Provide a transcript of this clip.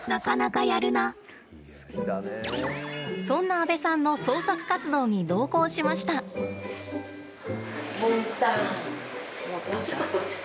そんな阿部さんの創作活動に同行しました。